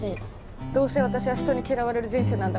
「どうせ私は人に嫌われる人生なんだみたいな。